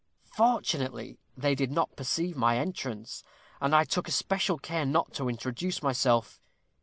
Fortunately, they did not perceive my entrance, and I took especial care not to introduce myself.